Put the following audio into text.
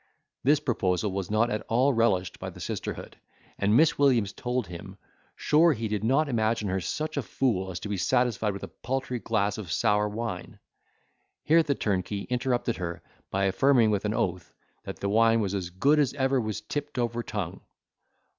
This proposal was not at all relished by the sisterhood: and Miss Williams told him, sure he did not imagine her such a fool as to be satisfied with a paltry glass of sour wine? Here the turnkey interrupted her by affirming with an oath, that the wine was as good as ever was tipped over tongue.